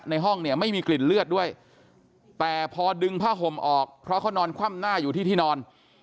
ห้องเนี่ยไม่มีกลิ่นเลือดด้วยแต่พอดึงผ้าห่มออกเพราะเขานอนคว่ำหน้าอยู่ที่ที่นอน